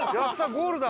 ゴールだ！